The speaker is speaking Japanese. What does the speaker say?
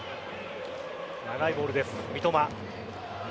長いボールです、三笘。